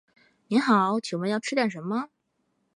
您好，请问要吃点什么？